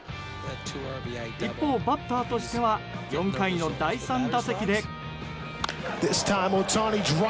一方、バッターとしては４回の第３打席で。